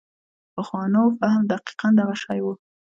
پخوانو فهم دقیقاً دغه شی و.